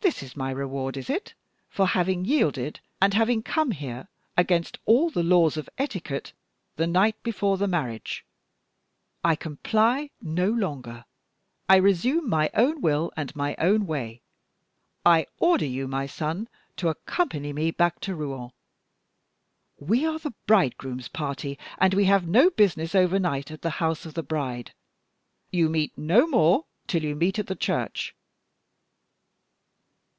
This is my reward, is it, for having yielded and having come here, against all the laws of etiquette, the night before the marriage? I comply no longer; I resume my own will and my own way. I order you, my son, to accompany me back to Rouen. We are the bridegroom's party, and we have no business overnight at the house of the bride. You meet no more till you meet at the church.